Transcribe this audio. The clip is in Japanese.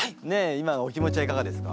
今のお気持ちはいかがですか？